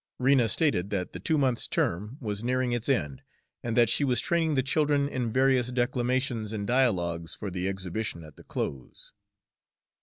Rena stated that the two months' term was nearing its end, and that she was training the children in various declamations and dialogues for the exhibition at the close.